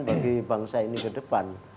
bagi bangsa ini ke depan